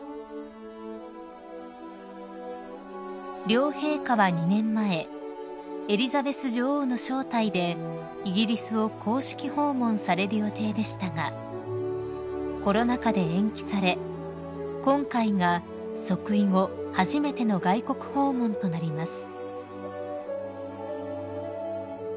［両陛下は２年前エリザベス女王の招待でイギリスを公式訪問される予定でしたがコロナ禍で延期され今回が即位後初めての外国訪問となります］